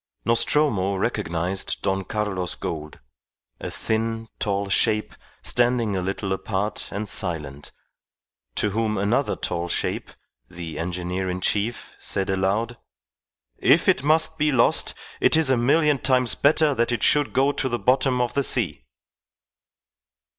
Nostromo recognized Don Carlos Gould, a thin, tall shape standing a little apart and silent, to whom another tall shape, the engineer in chief, said aloud, "If it must be lost, it is a million times better that it should go to the bottom of the sea."